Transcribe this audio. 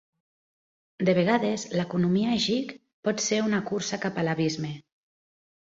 De vegades, l'economia gig pot ser una cursa cap a l'abisme.